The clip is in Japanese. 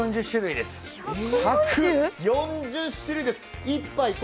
１４０種類です。